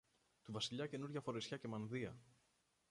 του Βασιλιά καινούρια φορεσιά και μανδύα